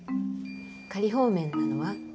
仮放免なのは？